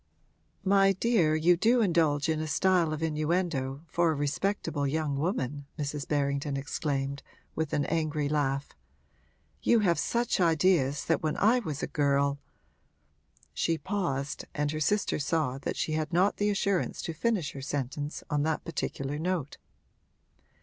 'My dear, you do indulge in a style of innuendo, for a respectable young woman!' Mrs. Berrington exclaimed, with an angry laugh. 'You have ideas that when I was a girl ' She paused, and her sister saw that she had not the assurance to finish her sentence on that particular note.